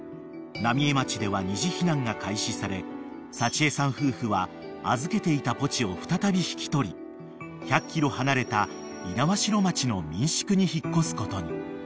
［浪江町では二次避難が開始され幸枝さん夫婦は預けていたポチを再び引き取り１００ｋｍ離れた猪苗代町の民宿に引っ越すことに］